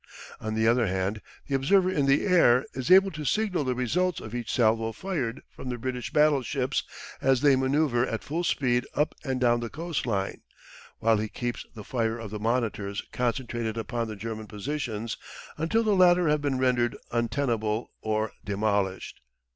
On the other hand the observer in the air is able to signal the results of each salvo fired from the British battleships as they manoeuvre at full speed up and down the coastline, while he keeps the fire of the monitors concentrated upon the German positions until the latter have been rendered untenable or demolished.